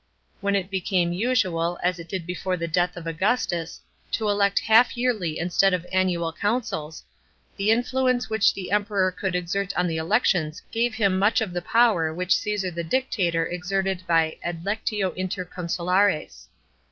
When it became usual, as it did before the death of Augustus, to elect half yearly instead of annual consuls, the influence which the Emperor could exert at the elect ons gave him much of the power which Caesar the Dictator exerted by adlectio inter consulares.